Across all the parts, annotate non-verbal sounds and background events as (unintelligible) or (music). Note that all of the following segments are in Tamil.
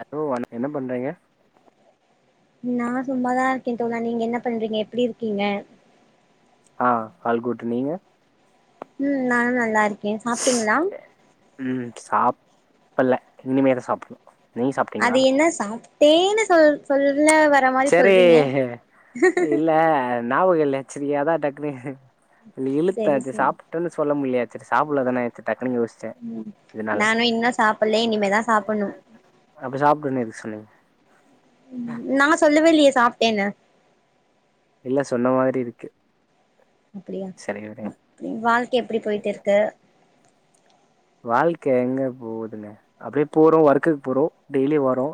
ஹலோ வண் என்ன பண்றீங்க நா சும்மாதா இருக்கே தோழா நீங்க என்ன பண்றீங்க எப்டி இருக்கீங்க ஆ ஆல் குட்டு நீங்க ம் நானு நல்லா இருக்கே சாப்ட்டீங்களா ம் சாப்ட்ல்ல இனிமேதா சாப்ட்ணு அது என்ன சாப்ட்டேன்னு சொல் சொல்ல வந் சேரி இல்ல ஞாபகோ இல்ல செரி அதா டக்குன்னு இழுத்தே செரி இது செரி சாப் டன்னு சொல்ல முடிலயா செரி சாப்ல்ல தானே செரி டக்குன்னு யோசி ம் நானு இன்னு சாப்ல்லே இனிமேதா சாப்ட்ணு அப்ப சாப்டேன்னு எதுக்கு சொன்னீங்க ம் நா சொல்லவே இல்லயே சாப்ட்டேன்னு இல்ல சொன்ன மாரி இருக்கு அப்டியா செரி விடுங்க அப்டி வாழ்க்கை எப்டி போயிட்டு இருக்கு வாழ்க்க எங்க போகுதுங்க அப்டியே போறோ ஒர்க்குக்கு போறோ டெய்லி வர்றோ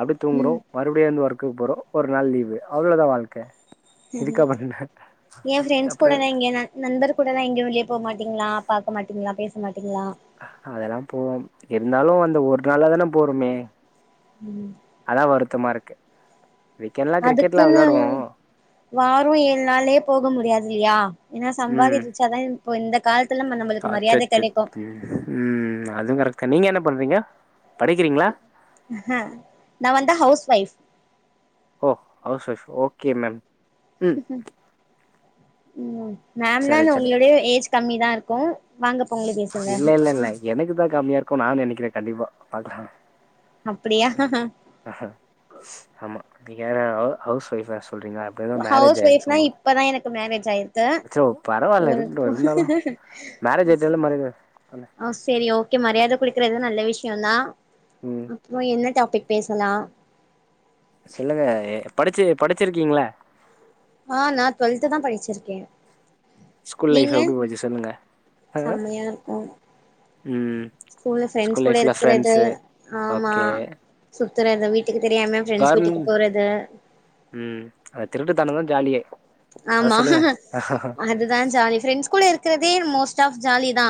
அப்டி தூங்குறோ ம் மறுபடியு எழுந்து ஒர்க்குக்கு போறோ ஒரு நாள் லீவு அவ்வளதா வாழ்க்கை ஏ ஃபிரெண்ட்ஸ் அப்றோ கூடனா எங்கயா நா நண்பர் கூடலா எங்கயு வெளிய போ மாட்டீங்களா பாக்க மாட்டீங்களா பேச மாட்டீங்களா அதெல்லா போவோம் இருந்தாலு அந்த ஒரு நாளா தான போறோமே ம் அதா வருத்தமா இருக்கு வீக் எண்ட்லா கிரிக்கெட் லா அதுக்குன்னு விளாடுவோ வாரோ ஏழு நாளே போக முடியாது இல்லையா ஏன்னா சம்பாதி ம் இருச்சாதா இப்போ இந்த காலத்துல நம்மளுக்கு மரியாதை அச்சச்சோ கெடைக்கு ம் ம் அதுவு கரெக்ட் தா நீங்க என்ன பண்றீங்க படிக்கிறீங்களா நா வந்து ஹவுஸ் ஒய்ஃப் ஓ ஹவுஸ் ஒய்ஃப் ஓகே மேம் ம் ம் மேம்லா சரி இல்ல சரி உங்களுடயு ஏஜ் கம்மி தா இருக்கு வாங்க பொங்கலுக்கு இல்ல இல்ல இல்ல எனக்கு தா கம்மியா இருக்கு நா நெனைக்கிறே கண்டிப்பா பாக்கலாங்க அப்டியா அஹ ஆமா நீங்க வேற ஹவு ஹவுஸ் ஒய்ஃபா சொல்றீங்களா இப்ப தா மேரேஜ் ஹவுஸ் ஆயிருக்கு ஒய்ஃப்னா ஒங்களுக்கு இப்பதா எனக்கு மேரேஜ் ஆயிருக்கு அச்சோ பரவால்ல ஒரு இருக்கட்டு டூ இருந்தாலு மேரேஜ்ஜு ஆயிட்டால மறக்க ஆ செரி ஓகே மரியாத குடுக்கறது நல்ல விஷ்யந்தா ம் அப்புறோ என்ன டாபிக் பேசலா சொல்லுங்க ஏ படிச்சு படிச்சிருக்கீங்கல்ல ஆ நா டுவெல்த்து தா படிச்சிருக்கே ஸ்கூல் லைஃப் நீங்க எப்டி போச்சு சொல்லுங்க ஆ செம்மையா இருக்கு ம் ஸ்கூல்ல ஃப்ரெண்ட்ஸ் ஸ்கூல் கூட லைஃப்ல இருக்றது ஃப்ரெண்ட்ஸு ஆமா ஓகே சுத்ற எந்த வீட்டுக்கு தெரியாம ஃப்ரெண்ட்ஸ் வீட்டுக்கு கார்மெண்ட் போறது ம் அது திருட்டுத்தனம் தா ஜாலியே அத ஆமா சொல்லுங்க அதுதா ஜாலி ஃப்ரெண்ட்ஸ் கூட இருக்றதே மோஸ்ட் ஆப் ஜாலி தா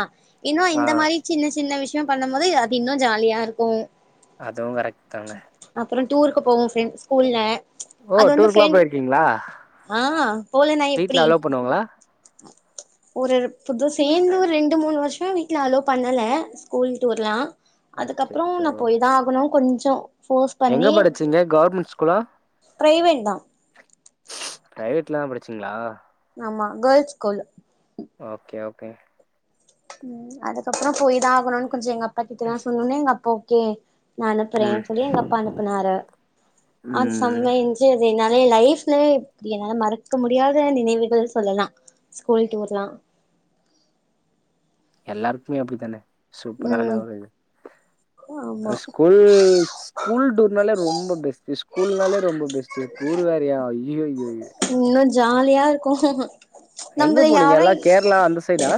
இன்னு ஆ இந்த மாரி சின்ன சின்ன விஷ்யம் பண்ணு போது அது இன்னு ஜாலியா இருக்கு அதுவு கரெக்ட் தாங்க அப்புறோ டூருக்கு போவோ ஃப்ரெண்ட்ஸ் ஸ்கூல்ல ஓ அது வந்து டூருக்குலா ஃப்ரெண்ட்ஸ் போயிருக்கீங்களா ஆ போலெனா எப்டி வீட்ல அலோ பண்ணுவாங்களா ஒரு புது சேந்து ஒரு ரெண்டு மூணு வருஷோ வீட்டுல அலோ பண்ணல ஸ்கூல் டூர்லா அதுக்கப்புறோ அச்சச்சோ நா போய்தா ஆகணு கொஞ்சம் எங்க படிச்சீங்க கவர்மெண்ட் ஸ்கூலா பிரைவேட் தா பிரைவேட்லா தா படிச்சிங்களா ஆமா கேர்ள்ஸ் ஸ்கூலு ஓகே ஓகே ம் அதுக்கப்புறோ போயி தா ஆகணு கொஞ்சோ எங்க அப்பா கிட்ட நா சொன்னவுனெ எங்க அப்பா ஓகே நா ம் அனுப்புறேனு சொல்லி எங்க அப்பா அனுப்புனாரு அது ம் செம்மையா இந்ச்சு சியர்ஸ் என்னாலயு என் லைஃப்லயே இப்டி என்னால மறக்க முடியாத நினைவுகள் சொல்லலா ஸ்கூல் டூர்லா எல்லாருக்குமே அப்டித்தான சூப்பரான ம் ஒரு இது ஆமா அது ஸ்கூ ஃபுல் ஸ்கூல் டூர்னாலே ரொம்ப பெஸ்ட்டு ஸ்கூல்னாலே ரொம்ப பெஸ்ட்டு டூரு வேறயா (unintelligible) இன்னு ஜாலியா இருக்கு எங்க நம்பள போனீங்க யாரு எல்லா கேரளா அந்த சைடா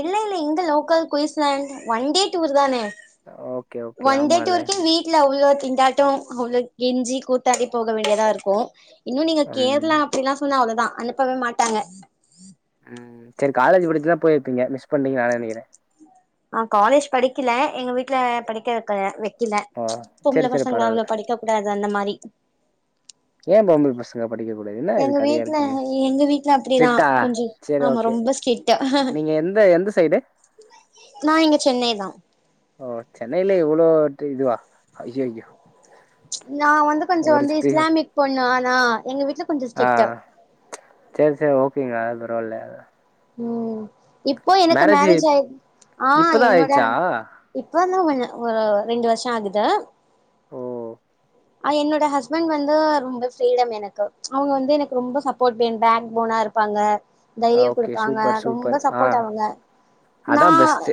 இல்ல இல்ல இங்க local Queensland one day tour தானே ஓ ஒன் டே டூருகே வீ ட்லோ அவ்ளோ திண்டாட்டோ அவ்ளோ கெஞ்சி கூத்தாடி போக வேண்டியதா இருக்கு இன்னு நீங்க ம் கேரளா அப்டிலா சொன்னா அவ்ளோதா அனுப்பவே மாட்டாங்க ம் சேரி காலேஜ் படிச்சிருந்தா போயிருப்பீங்க மிஸ் பண்ணிட்டீங்கனு நா நெனைக்கிறே நா காலேஜ் படிக்கல எங்க வீட்டுல படிக்க வைக்கல இல்ல ஆ பொம்பள சரி சரி பசங்க பரவால்ல அவ்ளோ படிக்க கூடாது அந்த மாரி ஏன் பொம்பள பச ங்க படிக்க கூடாது என்னா இது எங்க கதையா வீட்ல இருக்கு எங்க வீட்ல அப்டிதா ஸ்ட்ரிட்டா கொஞ்சோ சேரி ஆமா ஓகே ரொம்ப ஸ்ட்ரிக்ட் நீங்க எந்த எந்த சைடு நா இங்க சென்னை தா ஓ சென்னைல இவ்ளோ டிதுவா ஐய்யய்யோ நா வந்து கொஞ்ச வந்து ஸ்பீடு இஸ்லாமிக் பொண்ணு ஆனா எங்க வீட்ல கொஞ்சோ ஆ ஸ்ட்ரிக்ட் சேர் சேர் ஓகேங்க அது பரவால்ல ம் இப்போ எனக்கு மேரேஜு மேரேஜ் ஆயி ஆ இப்பதா என்னோட ஆயிடுச்சா இப்பந்தா கொஞ்ச ஒ ரெண்டு வர்ஷ ஆகுது ஓ ஆ என்னோட ஹஸ்பண்ட் வந்து ரொம்ப ஃப்ரிடம் எனக்கு அவுங்க வந்து எனக்கு ரொம்ப சப்போர்ட் என் பேக் போனா இரு ப்பாங்க தைரிய ஓகே குடுப் பாங்க சூப்பர் சூப்பர் ரொம்ப ஆ சப்போட் அவுங்க நா அதா பெஸ்ட்டு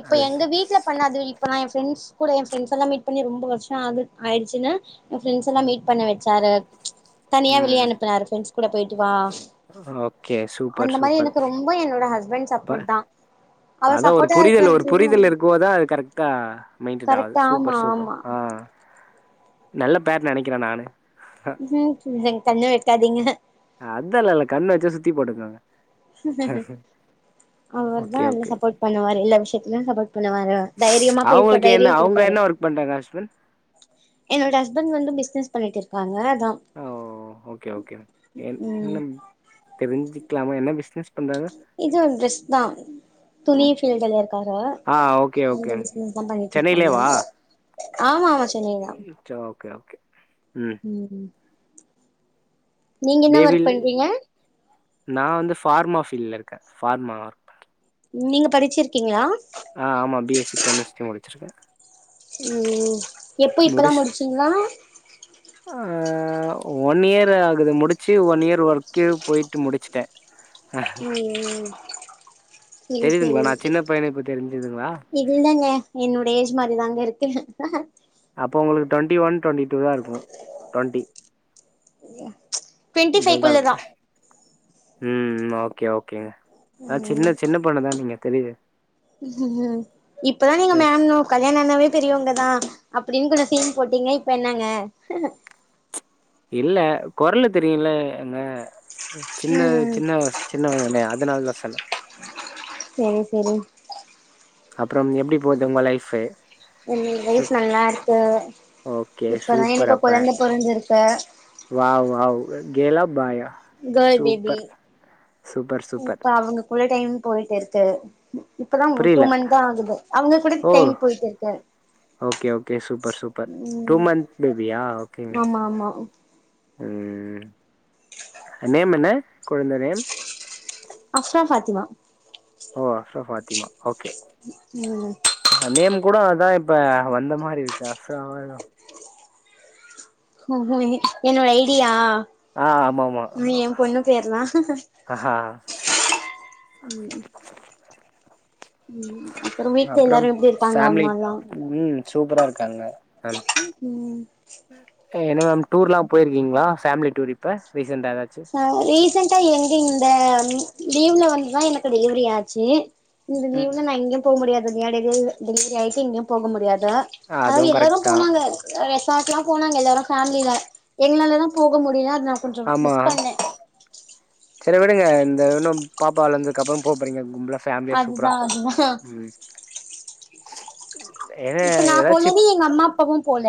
இப்ப அது எங்க வீட்ல பண்ணாது இப்ப நா எ ஃப்ரெண்ட்ஸ் கூட எ பிரெண்ட்ஸ் எல்லா மீட் பண்ணி ரொம்ப வருஷ ஆகுது ஆயிட்ச்சுனு எ ஃபிரெண்ட்ஸ் எல்லா ம் மீட் பண்ண வச்சாரு தனியா ம் வெளிய அனுப்புனாரு ஃப்ரெண்ட்ஸ் கூட போய்ட்டு வா ஓகே சூ அந்த மாரி எனக்கு ரொம்ப என்னோட ஹஸ்பண்ட் சப்போர்ட் தா அவ அதா ஒரு சப்போட்டா புரிதல் ஒரு இருக்கறது இது புரிதல் இருக்குவோ தா அது கரெக்டா மெயின்டென் ஆவுது கரெக்ட் ஆமா சூப்பர் சூப்பர் ஆமா ஆ நல்ல பேர்ன் நெனக்கிற நானு ம் கண்ணு வெக்காதீங்க அதல்லால்ல கண்ணு வச்சா சுத்தி போட்டுக்கங் அவர்தா ஓகே எல்லா ஓகே சப்போட் பண்ணுவாரு எல்லா விஷயத்திலயு சப்போர்ட் பண்ணுவாரு தைரியமா பேச அவங்களுக்கு என்ன தைரியோ அவங்க குடுப்பாரு என்ன ஒர்க் பண்றாங்க ஹஸ்பண்ட் என்னோட ஹஸ்பண்ட் வந்து பிசினஸ் பண்ணிட் இருக்காங்க தாம் ஓ ஓகே ஓகே என் ம் னம் தெரிஞ்சிக்லாமா என்ன பிஸ்னஸ் பண்றாங்க இது வந் ட்ரெஸ் தா துணி பீல்டுல இருக்காக ஆ ஓகே இந்த ஓகே பிசினஸ்தா பண்ணிட் இருக்காங்க சென்னையிலேவா ஆமா ஆமா சென்னைதா சேர் ஓகே ஓகே ம் ம் ம் நீங்க என்ன ஒர்க் பேபில்ல பண்றீங்க நா வந்து ஃபார்மா ஃபீல்ல இருக்க ஃபார்மா நீங்க படிச்சு இருக்கீங்ளா ஆ ஆமா பி எஸ் சி கெமிஸ்ட்ரி முடிச்சிருக் ம் எப்போ இப்பதா முடிச் முடிச்சிங்ளா ஆ ஒன் இயர் ஆகுது முடிச்சு ஒன் இயர் ஒர்க்கே போயிட்டு முடிச்சிட்டே ம் செரி தெரியுதுங்ளா செரி நா சின்ன பையனு இப்ப தெரிஞ்சுதுங்ளா இல்லங்க என்னோட ஏஜ் மாரிதாங்க இருக்கு அப்ப உங்ளுக்கு டொன்டி ஒன் டொண்டி டூ தா இருக்கு டொன்டி டுவெண்ட்டி இதுல்தா ஃபைவ்க்குள்ளதா இருகுல ம் ஓகே ஓகேங்க அ ம் சின்ன சின்ன பொண்ணுதா நீங்க தெரிது இப்பதா நீங்க மேம்னு கல்யாண்ணானாவே பெரியவங்கதா அப்டின் கொஞ்ச சீன் போட்டீங்க இப்ப என்னங்க இல்ல கொர்லு தெரியுல ஏங்க சின்ன ம் சின்ன வஸ் சின்ன வேங்ட அதனாலதா சொன்ன செரி செரி அப்றம் எப்டி போது உங்க லைஃப்பே என் லைப் நல்லார்க்கு ஓகே இப்பதா சூப்பர் எனக்கு அப்ப குழந்தை பொறந்திருக்கு வாவ் வாவ் கேர்லா பாயா girl baby super super super இப்ப அவங்கக்குள்ள டைம் போயிட்டுருக்கு இப்பதா டூ புரியல மந்த் தா ஆகுது அவங்க கூட ஓ டைம் போயிட்டுருக்கு okay okay super super two ம் மந்த் பேபியா ஓகே ஆமா ஆமா ம் நேம் என்ன குழந்த நேம் அஷ்ரா பாத்திமா ஓ அஷ்ரா பாத்திமா ஓகே ம் நேம் கூட அதா இப்ப வந்த மாரி இருக்கு அஷ்ராவா ஏதோ ம் ம் இனி என்னோட ஐடியா ஆ ஆமா ஆமா இது என் பொண்ணு பேர்ணா ஆஹா சு- ம் ம் அப்பறோ வீட்ல அப்புறம் எல்லாரு எப்டி இருக்காங்க ஃபேமிலி அம்மால்லா ம் சூப்பரா இருக்காங்க நல் ம் ம் என்ன மேம் டூர்லா போயிருக்கீங்ளா ஃபேமிலி டூர் இப்ப ரீசெண்டா எதாச்சு அ ரீசெண்டா எங்க இந்த லீவ்ல வந்துதா எனக்கு டெலிவரி ஆச்சு இந்த லீவ்ல ம் நா எங்கேய போ முடியாது நா டெலிவரி டெலிவரி ஆயிட்டு எங்கயு போக முடியாது அதாவ்து அதுவும் எல்லாரு கரெக்ட் தான் போனாங்க ரெசார்ட்லா போனாங்க எல்லாரு ஃபேமிலில எங்களாலதா போக முடியலா அதனா ஆமா சரி விடுங்க இந்த இன்னும் பாப்பா வளந்தக்கப்பறோம் போவ் போறீங்க கும்பலா ஃபேமிலியா சூப்பரா அதுதா அதுதா ம் ஏன்னா இப்ப நா ஏதாச்சு போலனே எங்க அம்மா அப்பாவு போல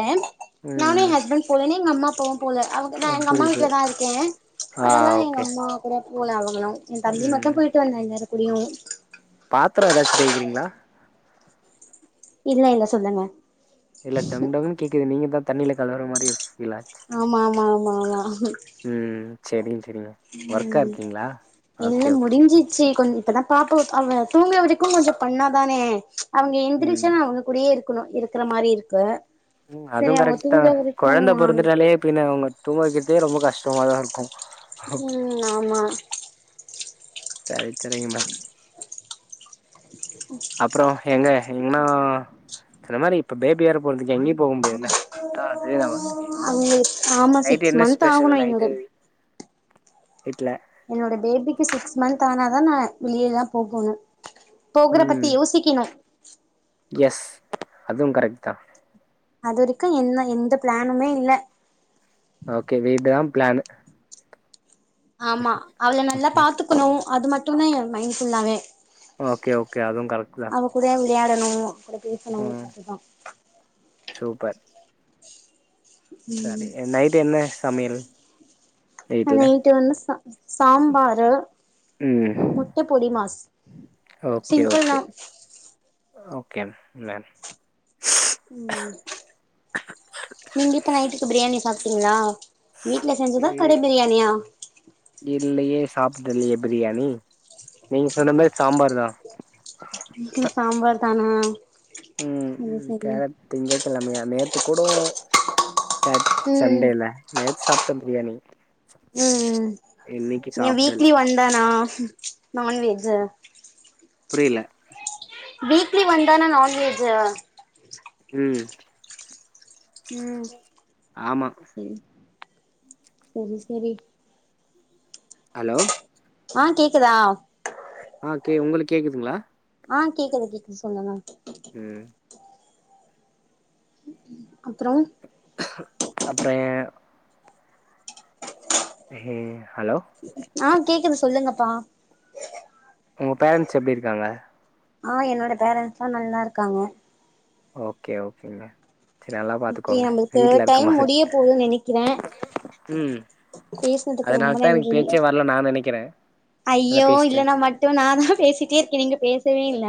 நானு ம் என் ஹஸ்பண்ட் போலன்னு எங்க அம்மா அப்பாவு போல அவங் நா ஆ, எங்க அம்மா புரியுது புரியுது வீட்லதா இருக்கே ஆ அதால்ல எங்க ஓகே அம்மா போல அவங்களா என் தம்பி ம் மட்டு போய்ட்டு வந்தா நேர குடியு பாத்ரோ எதாச்சு தேய்க்கிறீங்ளா இல்ல இல்ல சொல்லுங்க இல்ல டங் டங்குன்னு கேக்குது நீங்க தா தண்ணியில கழவுற மாரி ஃபீல் ஆச்சு ஆமா ஆமா ஆமா ஆமா ம் சரிங் சரிங்க ஒர்க்கா ம் இருக்கீங்களா என்ன ஓகே ஓகே முடிஞ்சிச்சு கொஞ் இப்பதா பாப்ப அவ தூங்க வரைக்கு கொஞ்சோ பண்ணாதானே அவுங்க ம் எந்திரிச்சன்ன அவுங்க கூடயே இரு க்கணு இருக்கற மாரி இருக்கு ம் சரி அதுவும் அவங்க கரெக்ட் தா தூங்குற வரைக்கு கொழந்த பொறந்துட்டாலே பின்ன அவுங்க தூங்க வைக்கதே ரொம்ப கஷ்டமாதா இருக் ம் ஆமா சரி சரிங்ண்ணா (inaudible) அப்றோ எங்க எங்கன்னா சொன்ன மாரி இப்போ பேபி வேற பொறந்துச்சி எங்கேயு போக முடியாதுல ஆ தெய்வ வர்த்தினி அவங்களுக்கு ஆமா நைட்டு சிக்ஸ் என்ன மந்த் ஸ்பெஷல் ஆகணு நைட்டு என்னோட வீட்ல என்னோட பேபிக்கு சிக்ஸ் மந்த் ஆனாதா நா வெளியல்லா போகணு போகுற பத்தி ம் யோசிக்கிணு எஸ் அதுவு கரெக்ட் தா அது வரைக்கு என்ன எந்த பிளானுமே இல்ல ஓகே வீட்டுதா பிளானு ஆமா அவள நல்லா பாத்துக்குணு அது மட்டுதா ஏ மைண்ட் ஃபுல்லாவே ஓகே ஓகே அதுவு கரெக்ட் தா அவ கூட விளயாடணு அவ கூட பேசணு ம் அப்டிதா சூப்பர் சரி நைட் என்ன சமயல் நைட்டு வந்து சா சாம்பாரு ம் முட்ட பொடி மாஸ் ஓகே சிம்பிள் ஓகே தா ஓகே மேம் ம் நீங்க இப்ப நைட்டுக்கு பிரியாணி சாப்ட்டீங்ளா வீட்ல செஞ்சதா கட பிரியாணியா இல்லயே சாப்பிடலயே பிரியாணி நீங்க சொன்ன மேரி சாம்பார் தா இங்கியு சாம்பார் தானா சரி ம் சரி கேரத்து திங்ககிழமையா நேத்து கூடோ செட் ம் சண்டேல நேத்து சாப்பிட்டே பிரியாணி ம் ம் இன்னைக்கு ஏ சாப்டல வீக்லி ஒன்தானா நான்வெஜு புரில வீக்லி ஒன்தானா நான்வெஜு ம் ம் ஆமா செரி செரி செரி ஹலோ ஆ கேக்குதா ஆ கே உங்களுக்கு கேக்குதுங்ளா ஆ கேக்குது கேக்குது சொல்லுங்க க அப்றோ அப்றொ ஏ ஹலோ ஆ கேக்குது சொல்லுங்கப்பா உங்க பேரண்ட்ஸ் எப்டி இருக்காங்க ஆ என்னோட பேரண்ட்ஸ் நல்லா இருக்காங்க ஓகே ஓகேங்க சரி நல்லா ஓகே பாத்துக்கோங்க நம்மளுக்கு வீட்ல இருக்க டைம் போத முடிய போதுன்னு நெனைக்கிறே ம் பேசுனதுக்கு அதனால ரொம்ப தா எனக்கு நன்றி பேச்சே வரல நா நினைக்கிறே ஐயோ இல்லன்னா மட்டு நா தா பேசிட்டே இருக்கே நீங்க பேசவே இல்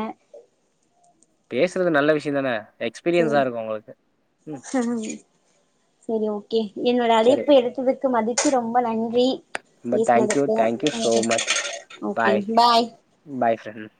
பேசுறது நல்ல விஷியோ தானே எக் செர் சேரி ஓகே என்னோட சரி அழைப்பு எடுத்தது அதுக்கு மதிச்சி ரொம்ப நன்றி ரொம்ப தேங்க்யூ பேசுனதுக்கு thank you so much okay bye bye friend